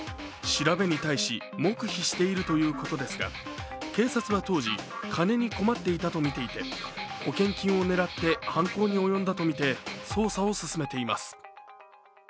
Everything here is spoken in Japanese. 調べに対し、黙秘しているということですが、警察は当時、金に困っていたとみていて保険金を狙って犯行に及んだとみて捜査を進めています。